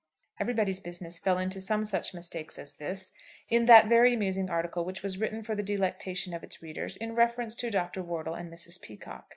'Everybody's Business' fell into some such mistake as this, in that very amusing article which was written for the delectation of its readers in reference to Dr. Wortle and Mrs. Peacocke.